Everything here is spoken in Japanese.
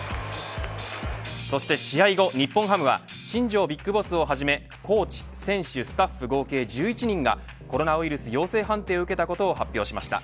そして試合後、日本ハムは新庄ＢＩＧＢＯＳＳをはじめコーチ、選手、スタッフ合計１１人がコロナウイルス陽性判定を受けたことを発表しました。